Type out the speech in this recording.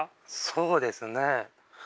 そうですね